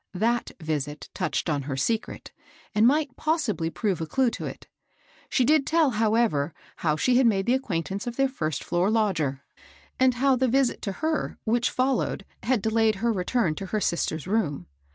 ThcA visit touched on her secret, and might possibly prove a clue to it. She did tell, however, how she had made acquaintance with their first floor lodger, and how the visit to her which fol lowed had delayed her return to her sister's room.